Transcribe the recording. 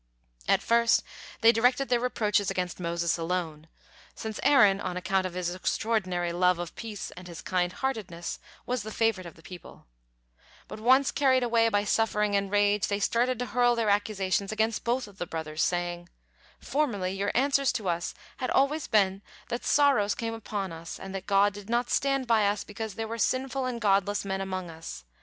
At first they directed their reproaches against Moses alone, since Aaron, on account of his extraordinary love of peace and his kind heartedness, was the favorite of the people, but once carried away by suffering and rage, they started to hurl their accusations against both of the brothers, saying: "Formerly your answer to us had always been that sorrows came upon us and that God did not stand by us because there were sinful and godless men among us.